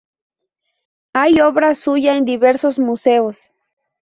Hay obra suya en diversos museos.